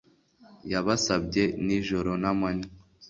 Yabasabye nijoro namanywa